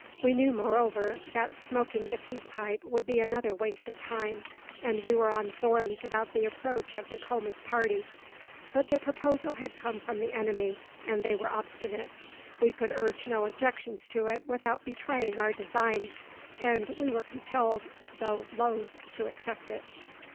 We knew, moreover, that smoking the peace pipe would be another waste of time; and we were on thorns about the approach of Dacoma's party. But the proposal had come from the enemy, and they were obstinate. We could urge no objections to it without betraying our designs; and we were compelled, though loth, to accept it.